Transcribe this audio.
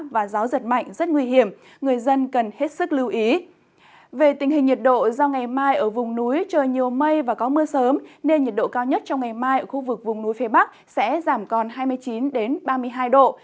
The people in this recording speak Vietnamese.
về tình hình nhiệt độ do ngày mai ở vùng núi trời nhiều mây và có mưa sớm nên nhiệt độ cao nhất trong ngày mai ở khu vực vùng núi phía bắc sẽ giảm còn hai mươi chín ba mươi hai độ